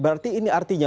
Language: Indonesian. berarti ini artinya